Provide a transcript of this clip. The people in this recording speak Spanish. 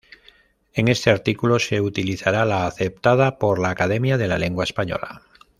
En este artículo se utilizará la aceptada por la Academia de la Lengua Española.